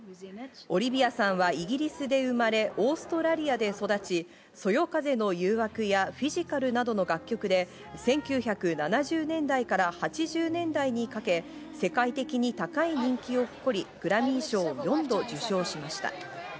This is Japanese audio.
オリビアさんはイギリスで生まれ、オーストラリアで育ち、『そよ風の誘惑』や『フィジカル』などの楽曲で１９７０年代から８０年代にかけ、世界的に高い人気を誇り、グラミー賞を４度受賞しました。